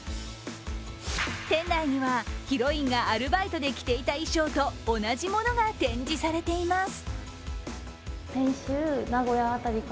店内にはヒロインがアルバイトで着ていた衣装と同じものが展示されています。